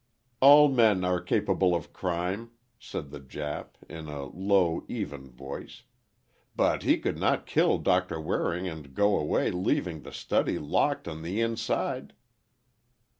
"All men are capable of crime," said the Jap, in a low, even voice, "but he could not kill Doctor Waring and go away leaving the study locked on the inside."